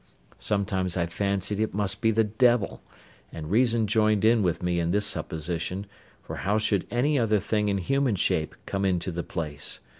Sometimes I fancied it must be the devil, and reason joined in with me in this supposition, for how should any other thing in human shape come into the place?